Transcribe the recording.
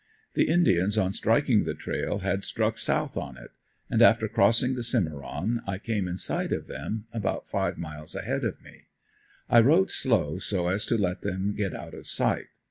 The indians on striking the trail had struck south on it; and after crossing the Cimeron I came in sight of them, about five miles ahead of me. I rode slow so as to let them get out of sight.